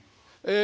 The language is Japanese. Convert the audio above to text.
え